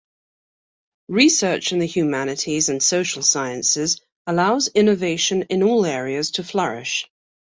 Research in the humanities and social sciences allows innovation in all areas to flourish.